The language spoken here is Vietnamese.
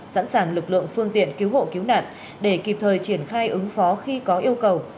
sẵn sàng lực lượng phương tiện cứu hộ cứu nạn để kịp thời triển khai ứng phó khi có yêu cầu